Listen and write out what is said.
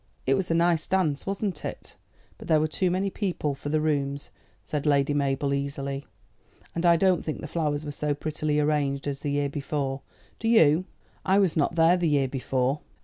"It was a nice dance, wasn't it? but there were too many people for the rooms," said Lady Mabel easily; "and I don't think the flowers were so prettily arranged as the year before. Do you?" "I was not there the year before."